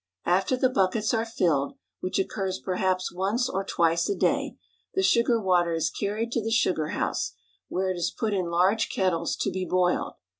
After the buckets are filled, which occurs perhaps once or twice a day, the sugar water is carried to the sugar house, where it is put in large kettles to be boiled.